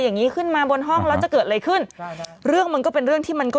อย่างงี้ขึ้นมาบนห้องแล้วจะเกิดอะไรขึ้นเรื่องมันก็เป็นเรื่องที่มันก็